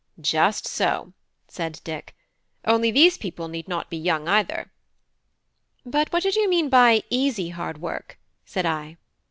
"Just so," said Dick, "only these people need not be young either." "But what did you mean by easy hard work?" said I.